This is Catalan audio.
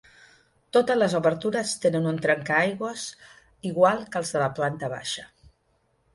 Totes les obertures tenen un trencaaigües igual que els de la planta baixa.